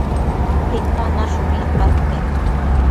¿Titan nashun midapadopec?